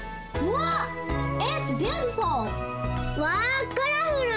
わあカラフル！